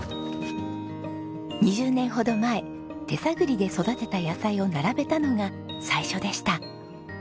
２０年ほど前手探りで育てた野菜を並べたのが最初でした。